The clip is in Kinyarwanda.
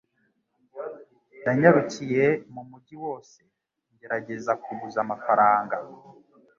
Nanyarukiye mu mujyi wose ngerageza kuguza amafaranga.